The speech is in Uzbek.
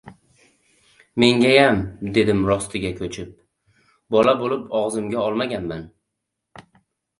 — Mengayam — dedim rostiga ko‘chib.— Bola bo‘lib og‘zimga olmaganman.